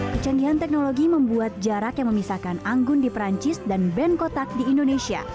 kecanggihan teknologi membuat jarak yang memisahkan anggun di perancis dan band kotak di indonesia